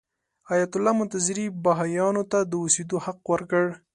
ایت الله منتظري بهايانو ته د اوسېدو حق ورکړ.